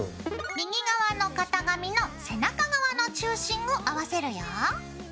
右側の型紙の背中側の中心を合わせるよ。